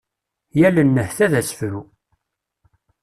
Yal nnehta d asefru.